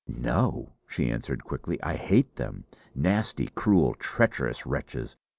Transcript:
"No," she answered quickly, "I hate them! Nasty, cruel, treacherous wretches!